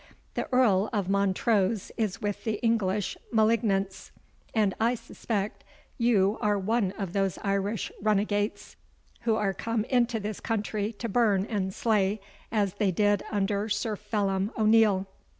The Earl of Montrose is with the English malignants; and I suspect you are one of those Irish runagates, who are come into this country to burn and slay, as they did under Sir Phelim O'Neale."